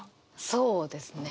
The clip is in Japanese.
そうですね。